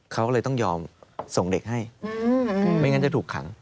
เขาก็เลยต้องยอมส่งเด็กให้ไม่งั้นจะถูกขัง